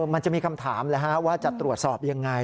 มันจะมีคำถามว่าจะตรวจสอบยังไง